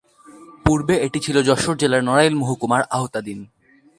পূর্বে এটি ছিল যশোর জেলার নড়াইল মহকুমার আওতাধীন।